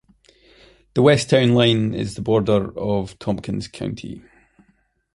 The west town line is the border of Tompkins County.